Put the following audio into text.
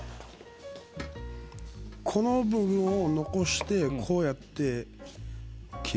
この部分を残してこうやって切るっていう。